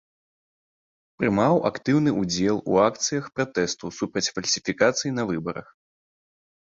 Прымаў актыўны ўдзел у акцыях пратэсту супраць фальсіфікацый на выбарах.